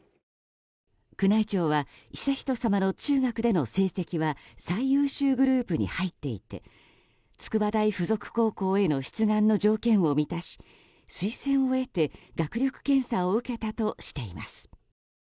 宮内庁は、悠仁さまの中学での成績は最優秀グループに入っていて筑波大附属高校への出願の条件を満たし推薦を得て、学力検査を受けたとしています。